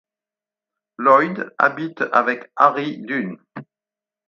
Lloyd habite avec Harry Dunne.